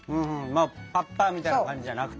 パッパみたいな感じじゃなくてね。